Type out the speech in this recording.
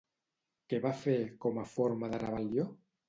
Què va fer, com a forma de rebel·lió?